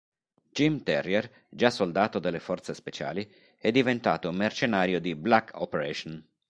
Jim Terrier, già soldato delle forze speciali, è diventato un mercenario di "black operation".